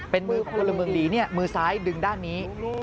เป็นมือพลเมืองดีมือซ้ายดึงด้านนี้